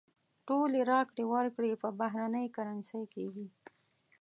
ټولې راکړې ورکړې په بهرنۍ کرنسۍ کېږي.